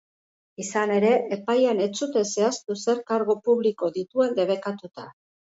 Izan ere, epaian ez zuten zehaztu zer kargu publiko dituen debekatuta.